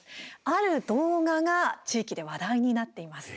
ある動画が地域で話題になっています。